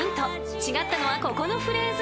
［違ったのはここのフレーズ］